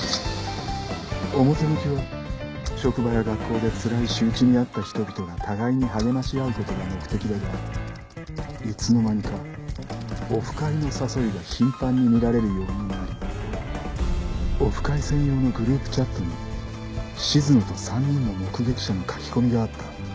表向きは職場や学校でつらい仕打ちに遭った人々が互いに励まし合う事が目的だがいつの間にかオフ会の誘いが頻繁に見られるようになりオフ会専用のグループチャットに静野と３人の目撃者の書き込みがあった